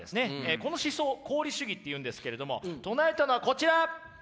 この思想を功利主義って言うんですけれども唱えたのはこちら。